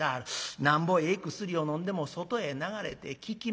なんぼええ薬をのんでも外へ流れて効き目がない。